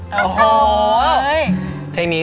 รู้จักไหม